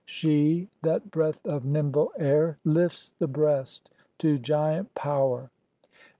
She, that breath of nimble air, Lifts the breast to giant power.